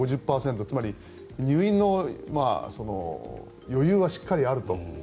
つまり入院の余裕はしっかりあると。